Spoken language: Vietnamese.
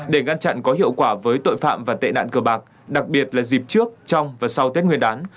để ngăn chặn có hiệu quả với tội phạm và tệ nạn cơ bạc đặc biệt là dịp trước trong và sau tết nguyên đán